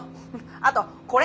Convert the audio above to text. あとこれ。